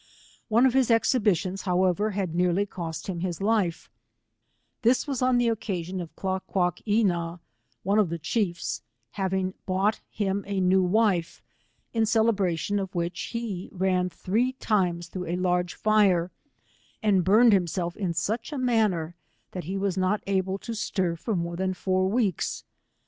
One of his exhibitions, however, had nearly cost him his life; this was on the occasion of Kla quak ee na^ one of the chiefs, having bought him a new wife, in celebration of which he ran three times through a large fire, and burned himself in such a manner, that he was not able to stir for more than four weeks.